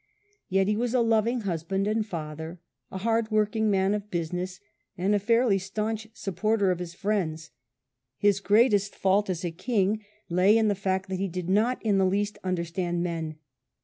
Yet he was a loving husband and father, a hard working man of business, and a fairly staunch supporter of his friends. His greatest fault as a king lay in the fact that he did not in the least understand men.